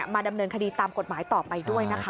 ดำเนินคดีตามกฎหมายต่อไปด้วยนะคะ